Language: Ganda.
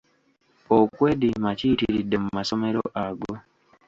Okwediima kuyitiridde mu masomero ago.